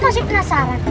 aku masih penasaran